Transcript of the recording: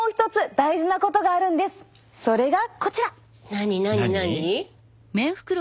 何何何？